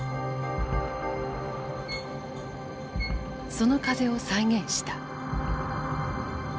その風を再現した。